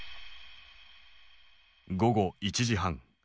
午後１時半。